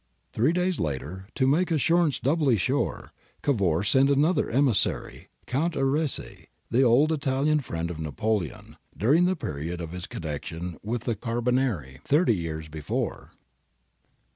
Three days later, to make assurance doubly sure, Cavour sent another emissary — Count Arese, the old Italian friend of Napoleon, during the period of his connection with the carbonari thirty years before.